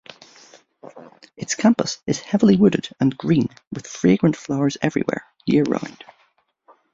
Its campus is heavily wooded and green, with fragrant flowers everywhere year-round.